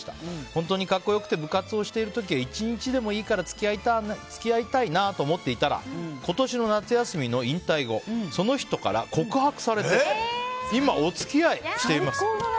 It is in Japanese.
本当に格好良くて部活をしている時は１日でもいいから付き合いたいなと思っていたら今年の夏休みの引退後その人から告白されて今、お付き合いしています。